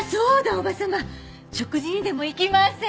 叔母様食事にでも行きません？